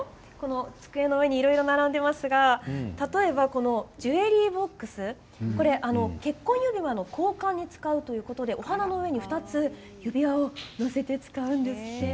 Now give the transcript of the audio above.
机の上にいろいろ並んでいますが例えばこのジュエリーボックス結婚指輪の交換に使うということでお花の上に２つ指輪を載せて使うんですって。